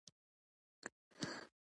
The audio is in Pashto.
د کرم پاڼې د څه لپاره وکاروم؟